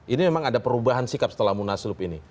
ini memang ada perubahan sikap setelah munaslup ini